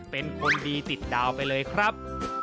เป็นคนดีติดดาวไปเลยครับ